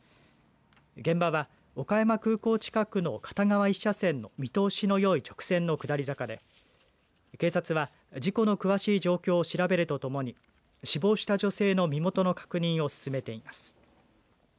現場は岡山空港近くの片側１車線の見通しのよい直線の下り坂で警察は、事故の詳しい状況を調べるとともに死亡した女性の身元の確認を進めています。